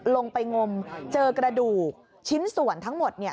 ลงไปงมเจอกระดูกชิ้นส่วนทั้งหมดเนี่ย